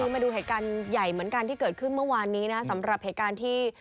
มาดูเหตุการณ์ใหญ่เหมือนกันที่เกิดขึ้นเมื่อวานนี้นะสำหรับเหตุการณ์ที่